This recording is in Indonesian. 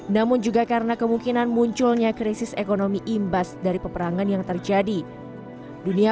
namun juga karena kemungkinan munculnya krisis ekonomi imbas dari peperangan yang terjadi dunia